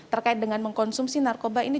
terkait dengan mengkonsumsi narkoba ini